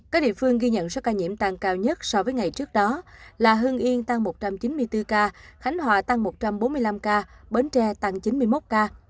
các địa phương ghi nhận số ca nhiễm tăng cao nhất so với ngày trước đó là hương yên tăng một trăm chín mươi bốn ca khánh hòa tăng một trăm bốn mươi năm ca bến tre tăng chín mươi một ca